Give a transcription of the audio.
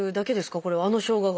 これはあのしょうがが。